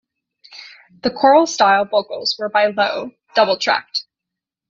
The choral-style vocals were by Lowe, double-tracked.